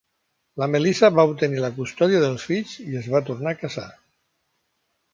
La Melissa va obtenir la custòdia dels fills i es va tornar a casar.